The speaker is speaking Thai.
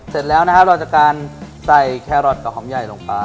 เสร็จแล้วนะครับเราจะการใส่แครอทกับหอมใหญ่ลงไป